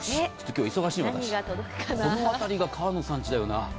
この辺りが河野さん家だよな。